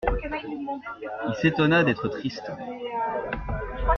Il s'étonna d'être triste.